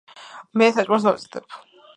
მე საჭმელს ვამმზადებ